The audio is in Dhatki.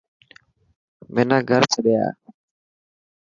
منا گھر ڇڏي آ.